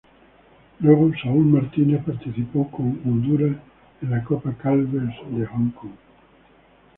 Luego Saul Martínez participó con Honduras en la Copa Carlsberg de Hong Kong.